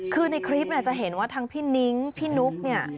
คือในคลิปเนี่ยจะเห็นว่าทั้งพี่นิ้งพี่นุ๊กเนี่ย